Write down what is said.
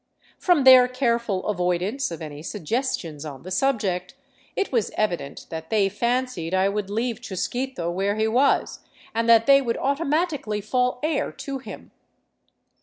From their careful avoidance of any sug gestions on the subject, it was evident that they fancied I would leave Chusquito where he was, and that they would automatically fall heir to him.